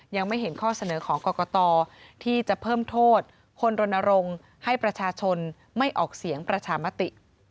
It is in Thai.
ยังไม่เห็นข้อเสนอของกรกตที่จะเพิ่มโทษคนรณรงค์ให้ประชาชนไม่ออกเสียงประชามติ